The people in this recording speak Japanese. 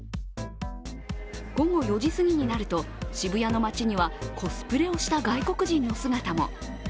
午後４時過ぎになると、渋谷の街にはコスプレをした外国人の姿も。